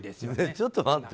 ちょっと待って。